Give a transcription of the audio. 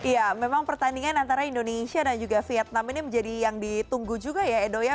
ya memang pertandingan antara indonesia dan juga vietnam ini menjadi yang ditunggu juga ya edo ya